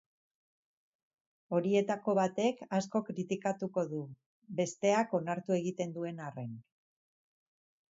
Horietako batek asko kritikatuko du, besteak onartu egiten duen arren.